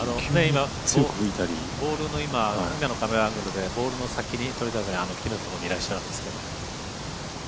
ボールの今のカメラアングルでボールの先に鳥谷さん、木のところにいらっしゃるんですけど。